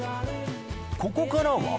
ここからは。